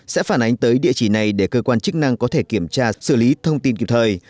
sẽ phản ánh tới địa chỉ này để cơ quan chức năng có thể kiểm tra xử lý thông tin kịp thời